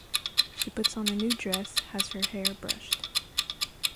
She puts on a new dress, has her hair brushed.